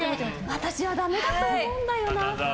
私はダメだと思うんだよな。